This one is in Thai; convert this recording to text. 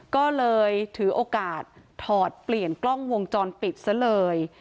ก็เลยถือโอกาสถอดเปลี่ยนกล้องวงจรปิดซะเลย